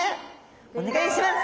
お願いします。